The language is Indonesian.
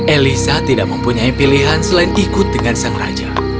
elisa tidak mempunyai pilihan selain ikut dengan sang raja